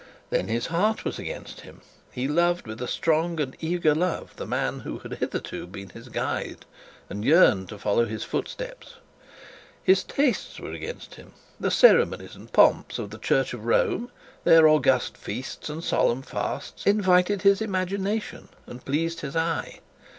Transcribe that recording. Then his heart was against him: he loved with a strong and eager love the man who had hitherto been his guide, and yearned to follow his footsteps. His tastes were against him: the ceremonies and pomps of the Church of Rome, their august feasts and solemn fasts, invited his imagination and pleased his eye.